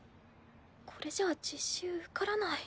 これじゃあ実習受からない。